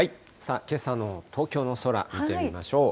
けさの東京の空、見てみましょう。